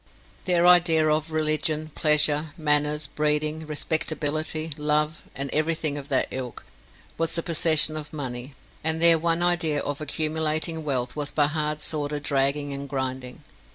Their idea of religion, pleasure, manners, breeding, respectability, love, and everything of that ilk, was the possession of money, and their one idea of accumulating wealth was by hard sordid dragging and grinding.